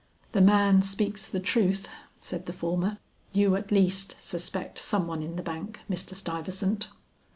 "The man speaks the truth," said the former. "You at least suspect some one in the bank, Mr. Stuyvesant?"